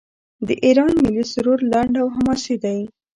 د ایران ملي سرود لنډ او حماسي دی.